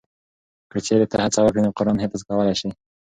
که چېرې ته هڅه وکړې نو قرآن حفظ کولی شې.